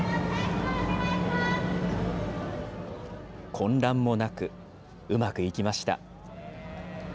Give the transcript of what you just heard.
混乱もなく、うまくいきました。